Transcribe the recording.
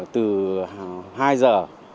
từ hai giờ